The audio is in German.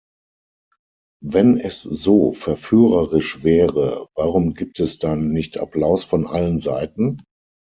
Wenn es so verführerisch wäre, warum gibt es dann nicht Applaus von allen Seiten?